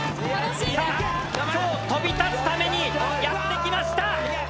今日飛び立つためにやって来ました！